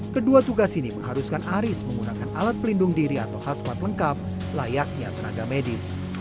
kedua tugas ini mengharuskan aris menggunakan alat pelindung diri atau khasmat lengkap layaknya tenaga medis